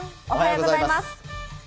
おはようございます。